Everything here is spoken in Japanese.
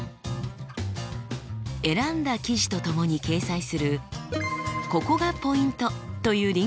選んだ記事と共に掲載する「ココがポイント」というリンク集。